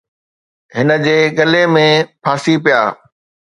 هن جي ڳلي ۾ ڦاسي پيا.